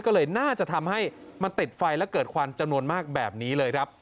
ก็เลยน่าจะทำให้มันติดไฟและเกิดควันจำนวนมากแบบนี้เลยครับ